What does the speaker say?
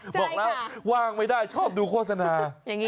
บอกแล้วว่างไม่ได้ชอบดูโฆษณา